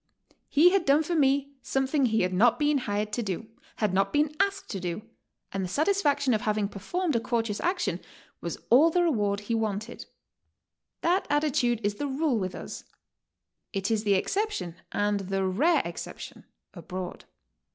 He had done for me something he had not been hired to do, had not been asked to do, and the satisfaction of having performed a courteous action was all the reward HOW TO STAY. he wanted. That attitude is the rule with us; it is the ex ception, and the rare exception, abroad.